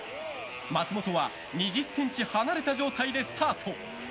松本は２０ｃｍ離れた状態でスタート。